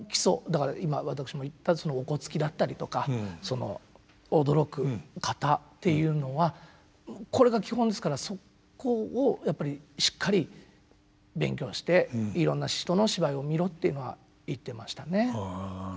だから今私も言ったそのおこつきだったりとかその驚く「型」っていうのはこれが基本ですからそこをやっぱりしっかり勉強していろんな人の芝居を見ろっていうのは言ってましたね。